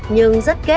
nhưng rất ghét